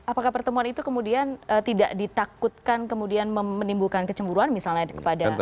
apakah pertemuan itu kemudian tidak ditakutkan kemudian menimbulkan kecemburuan misalnya kepada